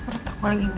perut aku lagi enak